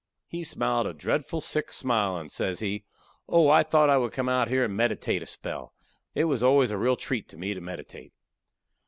he smiled a dretful sick smile, and says he: "Oh, I thought I would come out here and meditate a spell. It was always a real treat to me to meditate."